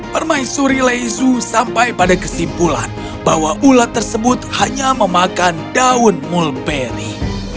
permaisuri lezu sampai pada kesimpulan bahwa ulat tersebut hanya memakan daun mulberry